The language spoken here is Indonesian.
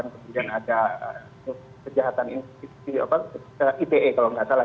kemudian ada kejahatan ipe kalau nggak salah